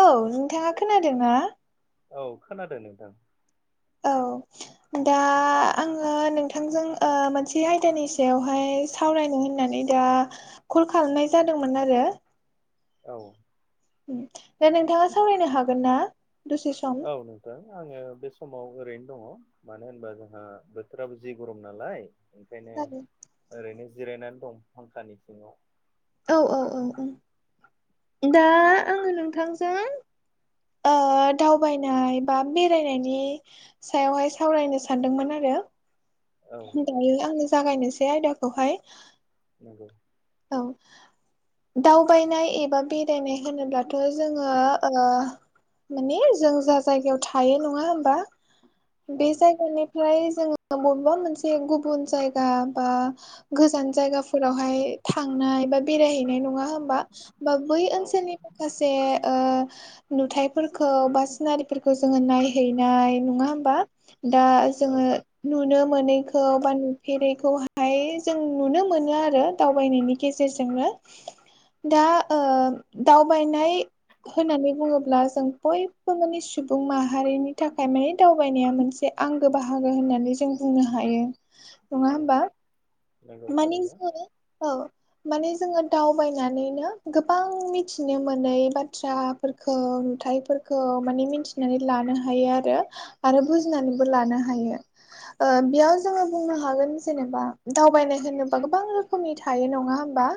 औ नोंथाङा खोनादों ना औ खोनादों नोंथां औ दा आङो नोंथांजों ओ मोनसे आयदानि सायावहाय सावरायनो होननानै दा कल खालामनाय जादोंमोन आरो औ उम दा नोंथाङा सावरायनो हागोन ना दसे सम? औ नो थां आङो बे समाव ओरैनो दङ मानो होनबा जोंहा बोथोराबो जि गरम नालाय ओंखायनो ओरैनो जिरायनानै दं फांखानि सिङाव औ औ औ औ दा आङो नोंथांजों दावबायनाय बा बेरायनायनि सायावहाय सावरायनो सानदोंमोन आरो औ नंगौ दायो आङो जागायनोसै आयदाखौहाय नोंगौ औ दावबायनाय एबा बेरायनाय होनोब्लाथ' जोङो ओ माने जों जा जायगायाव थायो नङा होमबा बे औ जायगानिफ्राय जोङो बबेबा मोनसे गुबुन जायगा बा गोजान जायगाफोरावहाय थांनाय बा बेरायहैनाय नङा होमबा बा बै औ ओनसोलनि माखासे ओ नुथायाइफोरखौ बा सिनारिफोरखौ जोङो नायहैनाय। नङा होमबा। दा जोङो औ नुनो मोनैखौ बा नुफेरैखौहाय जों नुनो मोनो आरो। दावबायनायनि गेजेरजोंनो दा ओ दावबायनाय नाय होननानै बुङोब्ला जों बयबो माने सुबुं माहारिनि थाखाय माने दावबायनाया मोनसे आंगो बाहागो होननानै जों बुंनो हायो नङा औ होमबा। नंगौ मानि थारैनो जोङो औ माने जोङो दावबायनानैनो गोबां मिथिनो मोनै बाथ्रा फोरखौ नुथायाइफोरखौ माने मिथिनानै लानो हायो आरो। आरो बुजिनानैबो लानो हायो। ओ बेयाव जोङो बुंनो हागोन जेनेबा दावबायनाय होनोबा गोबां रोखोमनि थायो नङा होमबा।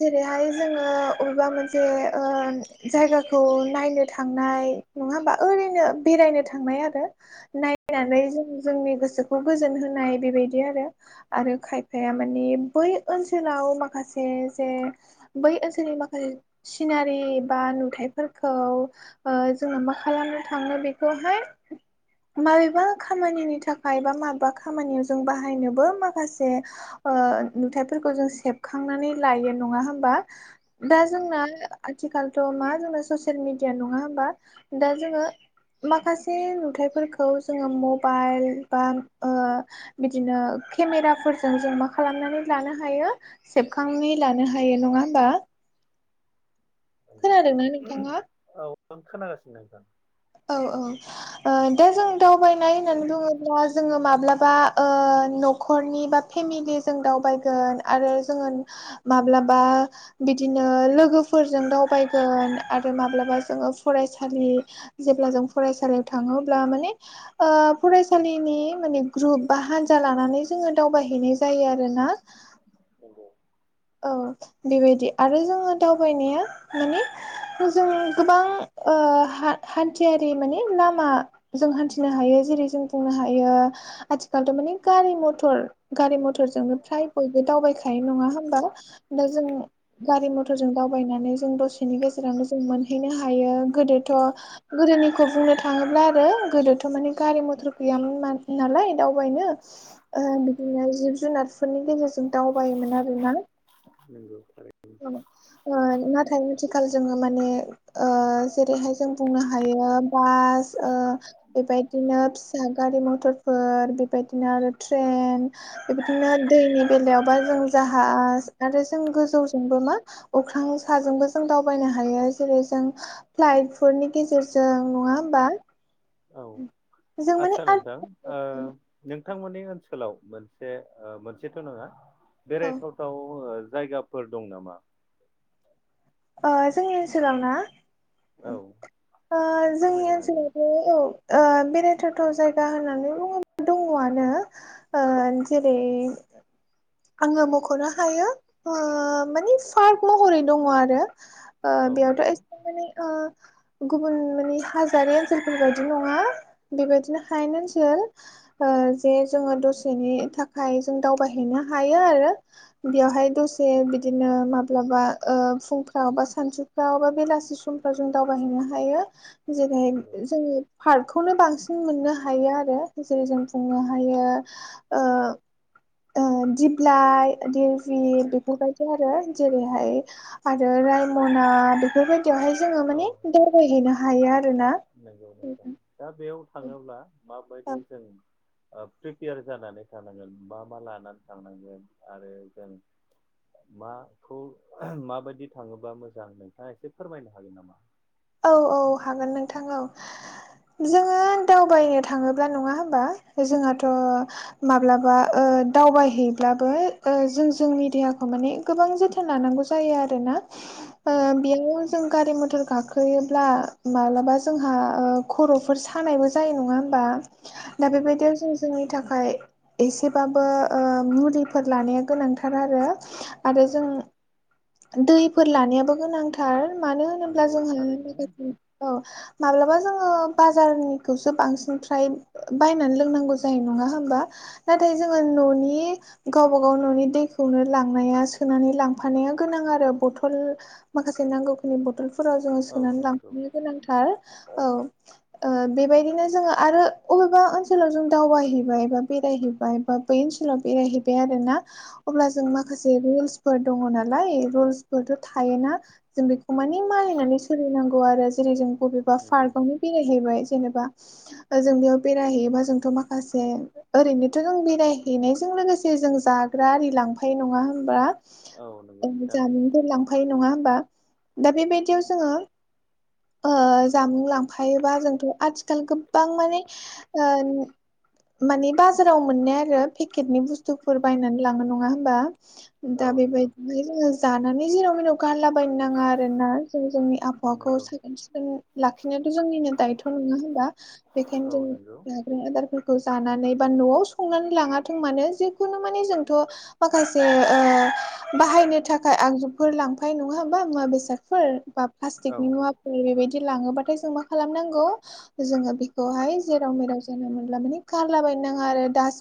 जेरैहाय जोङो अबेबा मोनसे ओ जायगाखौ नायनो थांनाय नङा होमबा ओरैनो बेरायनो थांनाय आरो। औ नायनानै जों जोंनि गोसोखौ गोजोन होनाय बेबायदि आरो। आरो खायफाया मानि बै ओनसोलाव माखासे जे बै ओनसोलनि माखासे सिनारि बा नुथायफोरखौ ओ जोंना मा खालामनो थाङो बेखौहाय माबेबा खामानिनि थाखाय बा माबेबा खामानियाव जों बाहायनो बो माखासे ओ नुथायफोरखौ जों सेबखांनानै लायो नङा होमबा। दा औ जोंना नंगौ आथिखालथ' मा जोंना ससियेल मेडिया नङा होमबा। दा जोङो माखासे नुथाइफोरखौ जोङो मबाइल बा बिदिनो केमेराफोरजों जों मा खालामनानै लानो हायो सेबखांनानै लानो हायो नङा होमबा। [inaudible] नंगौ खोनादोंना ओहोम नोंथाङा औ नं खोनागासिनो नोंथां। औ औ दा जों दावबायनाय होननानै बुङो ब्ला जोङो माब्लाबा न'खरनि बा फेमिलि जों दावबायगोन आरो जोङो माब्लाबा बिदिनो लोगोफोरजों दावबायगोन आरो माब्लाबा जोङो फरायसालि जेब्ला जों फरायसालियाव थाङोब्ला माने ओ फरायसालिनि माने ग्रुप बा हान्जा लानानै जोङो दावबायहैनाय जायो आरोना। नंगौ। औ बेबायदि आरो जोङो दावबायनाया माने खौ जोंनि गोबां ओ हा-हान्थियारि लाम मा जों हान्थिनो हायो। जेरै जों बुंनो हायो आथिखालथ' माने गारि मथर गारि मथरजोंनो फ्राय बयबो दावबायखायो नङा होमबा। दा जों गारि मथरजों दावबायनानै जों दसेनि गेजेरावनो जों मोन हैनो हायो। गोदोथ' गोदोनिखौ बुंनो थाङोब्ला आरो गोदोथ' माने गारि मथर गैयामोन ना-नालाय दावबायनो। ओ बिदिनो जिब जुनारफोरनि गेजेरजों दावबायोमोन आरो ना। नोंगौ थारै खौ ओ नाथाय आथिखाल जोङो माने ओ जेरैहाय जों बुंनो हाय हायो बास बेबायदिनो फिसा गारि मथर फोर बेबायदिनो आरो ट्रेन बेबायदिनो दैनि बेलायावबा जों जाहा आरो जों गोजौ जोंबो मा अख्रां साजोंबो जों दावबायनो हायो। जेरै जों फ्लाइटफोरनि गेजेरजों नङा होमबा? औ जों माने आदसा आरो नोंथां ओ नोंथांमोननि ओनसोलाव मोनसे ओ मोनसेथ' नङा औ बेरायथाव थाव ओ जायगाफोर दं नामा? ओ जोंनि ओनसोलाव ना? औ जोंनि फोरमायनो हागोन ओनसोलावथ' औ। बेरायथावथाव जायगा होननानै बुङोब्ला दङआनो। ओ जेरै आङो मख'नो हायो ओ मानि पार्क महरै दङ आरो। ओ औ नंगौ बेयावथ' एमाने गुबुन माने हाजोरि ओनसोलफोरबायदि नङा बेबायदिनो हायेन ओनसोल जे जोङो दसेनि थाखाय जों दावबायहैनो हायो आरो। बेयावहाय दसे बिदिनो माब्लाबा ओ फुं बा सानसुफ्राव बा बेलासि समफ्राव जों दावबायहैनो हायो। जेरै नंगौ जोङो पार्कखौनो बांसिन मोननो हायो आरो जेरै जों बुंनो हायो ओ ओ दिप्लाइ दिर बेफोरबायदि आरो जेरैहाय आरो राइमना बेफोरबायदिआवहाय जोङो औ माने दावबायहैनो हायो आरो। नंगौ नंगौ दा बेयाव थाङोब्ला माबायदि जों प्रिपेयार जानानै थांनांगोन मा मा लानानै थांनांगोन आरो जों माखौ माबायदि थाङोबा मोजां नोंथाङा एसे फोरमायनो हागोन नामा? औ औ हागोन नोंथां औ। जोङो दावबायनो थाङोब्ला नङा होनबा जोंहाथ' माब्लाबा ओ दावबायहैब्लाबो जों जोंनि देहाखौ माने गोबां जोथोन लानांगौ जायो आरोना औ ओ बेयाव जों गारि मथर गाखो गाखोयोब्ला माब्लाबा जोंहा खर'फोर सानायबो जायो नङा होमबा? दा नंगौ बेबायदियाव जों जोंनि थाखाय एसेबाबो ओ मुलिफोर लानाया गोनांथार आरो। आरो औ जों दैफोर लानायाबो गोनांथार मानो होनोब्ला जों नंगौ थारैनो औ माब्लाबा जोङो बाजारनिखौसो बांसिन फ्राय बायनानै लोंनांगौ जायो नङा होमबा? नाथाय जोङो न'नि गावब गाव न'नि दैखौनो लांनाया सोनानै लांफानाया गोनां आरो बथल माखासे नांगौखिनि बथलफोराव जोङो औ सोनानै नंगौ लांफानो गोनांथार औ। बेबायदिनो जोङो आरो अबेबा ओनसोलाव जों दावबायहैबाय बा बेरायहैबाय बा बै ओनसोलाव बेरायहैबाय आरो ना। अब्ला जों माखासे रुल्सफोर दङ नालाय रुल्सफोरथ' थायोना। जों बेखौ मानि मानिनानै सोलिनांगौ आरो जेरै जों बबेबा नंगौ पार्कआवनो बेरायहैबाय जेनेबा जों बेयाव बेरायहैयोबा जोंथ' माखासे ओरैनोथ' जों बेरायहैनायजों लोगोसे जों जाग्रा आरि लांफायो नङा होनबा? औ नंगौ नोंथां जामुंफोर लांफायो नङा होमबा? दा बेबायदियाव जोङो जामुं लांफायोबा जोंथ' आथिखाल गोबां माने मानि बाजाराव मोननाय आरो पेकेटनि बुस्थुफोर बायनानै लाङो नङा होनबा? औ दा नंगौ बेबायदिनो जोङो जानानै जेनाव मेराव गारलाबायनो नाङा आरो ना। जों जोंनि आबहावाखौ नंगौ साखोन सिखोन लाखिनायाथ' जोंनिनो दायथ' नङा होनबा बेखायनो औ नंगौ जों बे आदारफोरखौ जानानै बा न'आव संनानै लाङाथों मानो जिखुनु माने जोंथ' माखासे बाहायनो थाखाय आगजुफोर लांफायो नङा बा मुवा बेसादफोर। बा औ प्लास्टिकनि मुवाफोर बेबायदि लाङोबाथाय जों मा खालामनांगौ जोङो बेखौहाय जेराव मेराव जानला मोनला माने गारलाबायनो नाङा आरो दास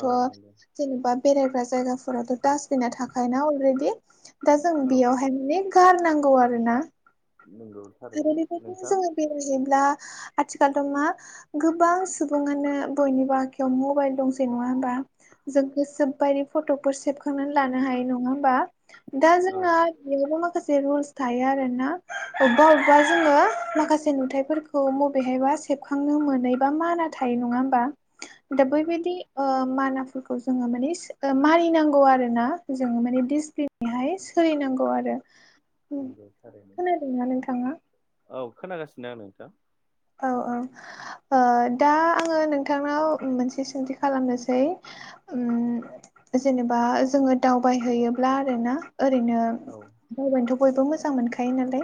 औ नंगौ जेनेबा बेरायग्रा जायगाफोरावथ' डासटबिना थाखायोना अलरेडि। दा जों औ बेयावहाय माने गारनांगौ आरो ना। नंगौ आरो थारैनो बेबायदिनो नोंथां। जोङो बेरायहैब्ला आथिखालथ' मा गोबां सुबुङानो बयनिबो आखयाव मबाइल दंसै नङा होमबा। जों गोसो बायदि फट' सेबखांनानै लानो हायो नङा होमबा दा औ जोंना बेयावबो माखासे रुलस थायो आरो ना अबेबा अबेबा जोङो माखासे नुथफोरखौ मबेहायबा से थांनो मोन बा माना थायो नङा होनबा दा औ बैबायदि माना फोर खौ जोङो माने मानिनांगौ आरोना जोङो माने [unintelligible] बेहाय सोलिनांगौ आरो नंगौ थारै खोनादोंना नोंथाङा औ खोनागासिनो आं नोंथां औ औ ओ दा आङो नोंथांनाव मोनसे सोंथि खालामनोसै ओम जेनेबा जोङो दावबायहैयोब्ला आरोना ओरैनो औ दावबायनोथ' बयबो मोजां मोनखायो नालाय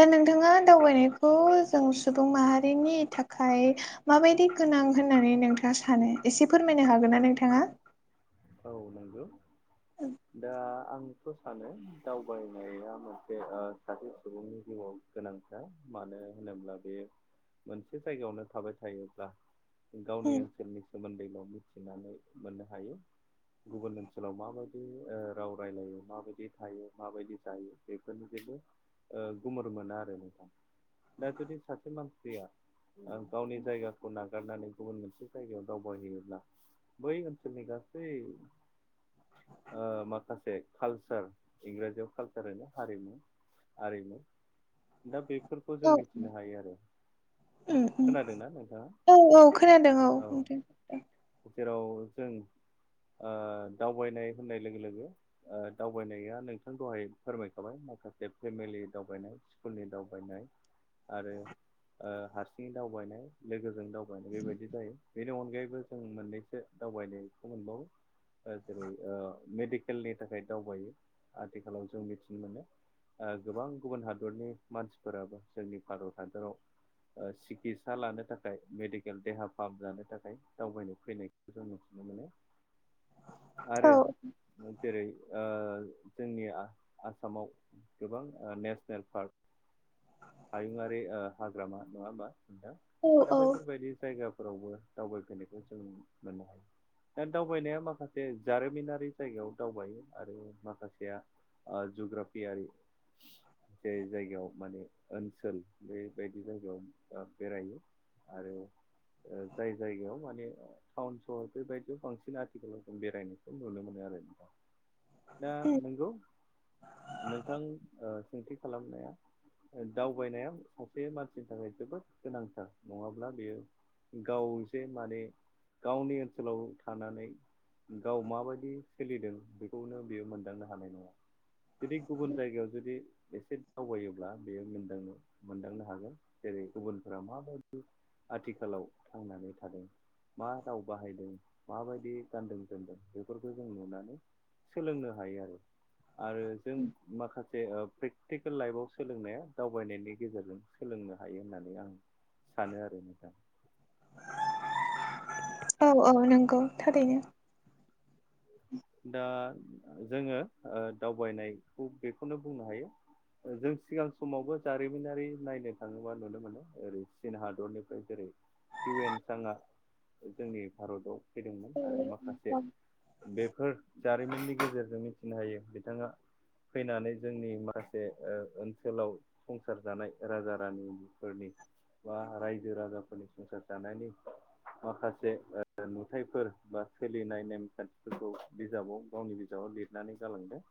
दा नोंथाङा दावबायनायखौ जों सुबुं माहारिनि थाखाय माबायदि गोनां होननानै नोंथाङा सानो एसे फोरमायनो हागोन ना नोंथाङा औ नंगौ दा आं [unintelligible] ' सानो दावबायनाया मोनसे ओ सासे सुबुंनि जिउआव गोनां मानो होनोब्ला बे मोनसे जायगायावनो थाबाय थायोब्ला गावनि ओनसोलनि सोमोन्दैल मिथिनानै मोननो हायो गुबुन ओनसोलाव माबायदि ओ राव रायलायो माबायदि थायो माबायदि जायो बेफोरनि जनो ओ गुमुर मोना आरो नोंथां दा जुदि सासे मानसिया आं गावनि जायगाखौ नागारनानै गुबुन मोनसे जायगायाव दावबायहैयोब्ला बै ओनसनि गासै ओ माखासे कालसार इंराजियाव कालसार होनो हारिमु आरिनो दा बेफोरखौ जों औ मिथिनो हायो आरो उम उम खोनादोंना नोंथाङा औ औ खोनादों औ नोंथां औ जेराव जों ओ दावबायनाय होननाय लोगो लोगो ओ दावबायनाया नोंथां दहाय फोरमायखाबाय माखासे फेमिलि दावबायनाय स्कुलनि दावबायनाय आरो ओ हारसिं दावबायनाय लोगोजों दावबाय दावनाय बेबायदि जायो बेनि अनगायैबो जों मोननैसो दावबायनायखौ मोनबावो जेरै ओ मेडिकेलनि थाखाय दावबायो आथिखालाव जों मिथिनो मोनो ओ गोबां गुबुन हादरनि मानसिफोराबो जोंनि भारत हादराव सिकितसा लानो थाखाय मेडिकेल देहा फाहाम जानो थाखाय दावबायनो फैनाय जों मिथिनो मोनो आरो औ जेरै ओ जोंनि आसामाव गोबां नेसनेल पार्क हायुङारि ओ हाग्रामा नङा होमबा नोंथां औ दा औ बेफोरबायदि जायगाफोरावबो दावबायफैनायखौ जों मोननो हायो दा दावबायनाया माखासे जारिमिनारि जायगायाव दावबायो आरो माखासेया ओ जुग्राफियारि जे जायगायाव माने ओनसोल बेबायदि जायगायाव बेरायो आरो जाय जायगायाव माने टाउन सहर बेबायदियाव बांसिन आथिखालाव जों बेरायनायखौ नुनो मोनो आरो नोंथां [inaudible] दा उम नंगौ नोंथां ओ सोंथि खालामनाया ओ दावबायनाया सासे मानसिनि थाखाय जोबोद गोनांथार नङाब्ला बेयो गाव जे माने गावनि ओनसोलाव थानानै गाव माबायदि सोलिदों बेखौनो बेयो मोनदांनो हानाय नङा जुदि गुबुन जायगायाव जुदि एसे दावबायो बे मोन मोनदांनो मोनदांनो हागोन जेरै गुबुनफोरा माबायदि आथिखालाव थांनानै थानो मा राव बाहायदों माबायदि गानदों जोमदों बेफोरखौ जों नुनानै सोलोंनो हायो आरो आरो जों माखासे प्रेक्टिकेल लाइफआव सोलोंनाया दावबायनायनि गेजेरजों सोलोंनो हायो होननानै आं सानो आरो नोंथां। औ औ नंगौ थारैनो। दा जोंङो दावबायनायखौ बेखौनो बुंनो हायो। जों सिगां समावबो जारिमिनारि नायनो थांङोबा नुनो मोनो ओरै चीन हादरनिफ्राय जेरै इउ एन साङआ जोंनि भारताव फैदोंमोन आरो माखासे बे फोर जारिमिननि गेजेरजों मिथिनो हायो बिथांङा। फैनानै जोंनि माखासे ओनसोलाव संसार जानाय राजा रानि फोरनि। बा रायजो राजाफोरनि संसार जानायनि माखासे नुथायफोर बा सोलिनाय नेमखान्थिफोरखौ बिजाबाव गावनि बिजाबाव लिरनानै गालांदों।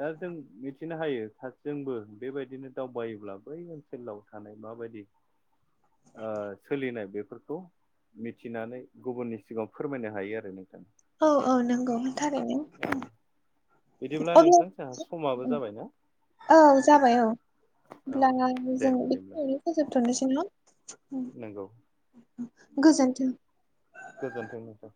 दा जों मिथिनो हायो साजोंबो बेबायदिनो दावबायोब्ला बै ओनसोल लाव थानाय मा बायदि? सोलिनाय बेफोरखौ मिथिनानै गुबुननि सिगाआव फोरमायनो हायो आरो नोंथां। औ औ नों थार औ बिदिब्ला अब्ला नोंथां जोंहा समाबो जाबायना औ जाबाय औ औ होमब्ला दे जों बिदिब्ला बेखिनियावनो फोजोबथ'नोसै ना? नंगौ गोजोन्थों। गोजोन्थों नोंथां।